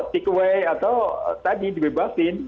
take away atau tadi dibebasin